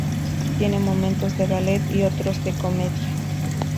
Tiene momentos de ballet y otros de comedia.